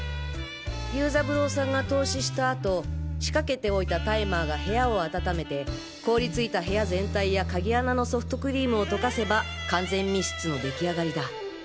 游三郎さんが凍死した後仕掛けておいたタイマーが部屋を暖めて凍りついた部屋全体や鍵穴のソフトクリームを溶かせば完全密室のできあがりだ。